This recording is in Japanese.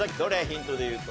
ヒントでいうと。